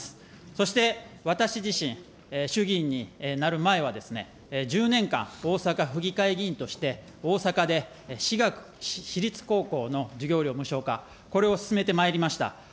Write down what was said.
そして私自身、衆議員になる前はですね、１０年間、大阪府議会議員として、大阪で私学、私立高校の授業料無償化、これを進めてまいりました。